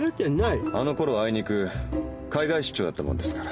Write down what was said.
あのころはあいにく海外出張だったもんですから。